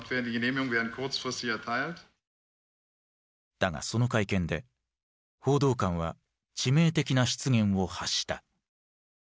だがその会見で報道官は致命的な失言を発した。